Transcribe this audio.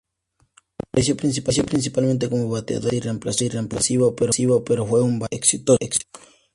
Apareció principalmente como bateador emergente y reemplazo defensivo, pero fue un bateador exitoso.